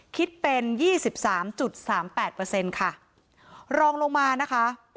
คิดเป็นยี่สิบสามจุดสามแปดเปอร์เซ็นต์ค่ะรองลงมานะคะ